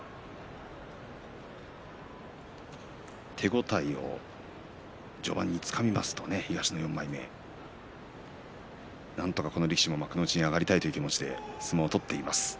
手応えを序盤に使いますと東の４枚目なんとかこの力士も幕内に上がりたいという気持ちで相撲を取っています。